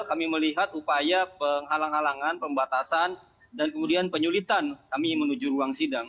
kami melihat upaya penghalang halangan pembatasan dan kemudian penyulitan kami menuju ruang sidang